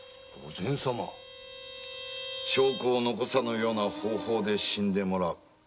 証拠を残さぬような方法で死んでもらう。